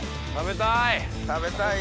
食べたい！